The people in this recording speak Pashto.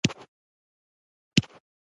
ډګروال وویل انسان غوښتل سوله رامنځته کړي